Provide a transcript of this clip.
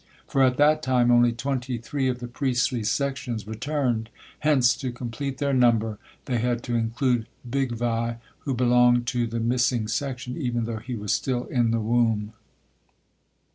For at that time only twenty three of the priestly sections returned, hence to complete their number they had to include Bigvai, who belonged to the missing section, even though he was still in the womb.